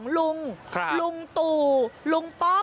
ลุงลุงตู่ลุงป้อม